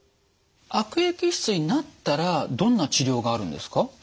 悪液質になったらどんな治療があるんですか？